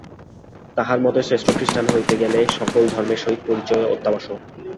তাঁহার মতে শ্রেষ্ঠ খ্রীষ্টান হইতে গেলে সকল ধর্মের সহিত পরিচয় অত্যাবশ্যক।